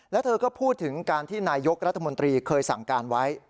แล้วเธอก็พูดถึงการที่นายกรัฐมนตรีเคยสั่งการไว้